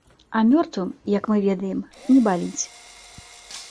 А мёртвым, як мы ведаем, не баліць.